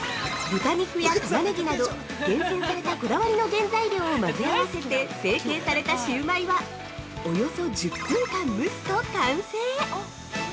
◆豚肉やタマネギなど、厳選されたこだわりの原材料を混ぜ合わせて、成形されたシウマイは、およそ１０分間蒸すと完成！